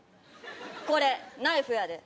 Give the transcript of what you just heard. これナイフやで？